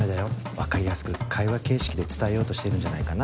分かりやすく会話形式で伝えようとしてるんじゃないかな。